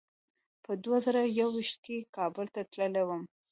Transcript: په دوه زره یو ویشت کې کابل ته تللی وم.